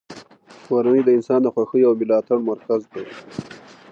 کورنۍ د انسان د خوښۍ او ملاتړ مرکز دی.